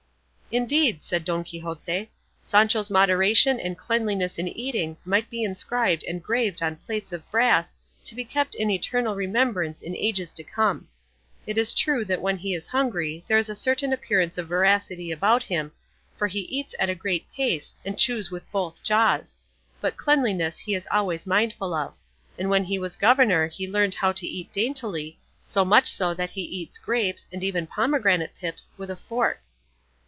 "Indeed," said Don Quixote, "Sancho's moderation and cleanliness in eating might be inscribed and graved on plates of brass, to be kept in eternal remembrance in ages to come. It is true that when he is hungry there is a certain appearance of voracity about him, for he eats at a great pace and chews with both jaws; but cleanliness he is always mindful of; and when he was governor he learned how to eat daintily, so much so that he eats grapes, and even pomegranate pips, with a fork."